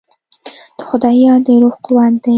د خدای یاد د روح قوت دی.